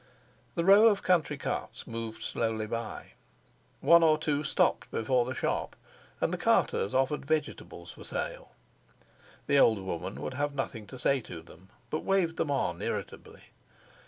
The row of country carts moved slowly by. One or two stopped before the shop, and the carters offered vegetables for sale. The old woman would have nothing to say to them, but waved them on irritably.